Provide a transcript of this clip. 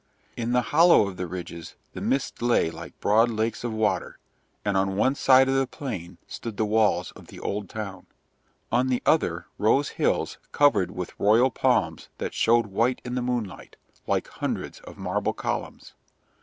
In the hollow of the ridges the mist lay like broad lakes of water, and on one side of the plain stood the walls of the old town. On the other rose hills covered with royal palms that showed white in the moonlight, like hundreds of marble columns.